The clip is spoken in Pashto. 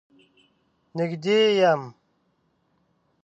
نږدې يم.